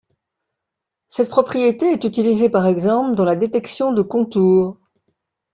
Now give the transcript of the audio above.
Cette propriété est utilisée par exemple dans la détection de contour.